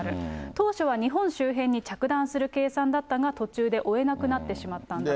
当初は日本周辺に着弾する計算だったが、途中で追えなくなってしまったんだと。